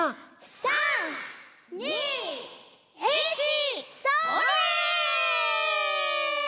３２１それ！